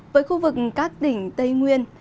với khu vực các tỉnh tây nguyên